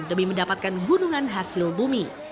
sebelumnya warga ini juga diirangkan untuk mencari aneka hasil bumi